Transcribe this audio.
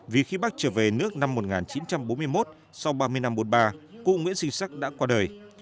vì khi bác trở về nước năm một nghìn chín trăm bốn mươi một sau ba mươi năm bột ba cụ nguyễn sinh sắc đã qua đời